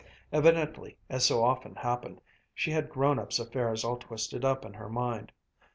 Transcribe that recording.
Evidently, as so often happened, she had grown ups' affairs all twisted up in her mind.